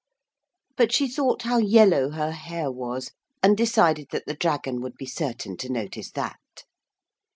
But she thought how yellow her hair was, and decided that the dragon would be certain to notice that.